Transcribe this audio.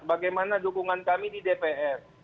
bagaimana dukungan kami di dpr